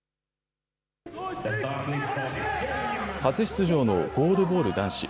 初出場のゴールボール男子。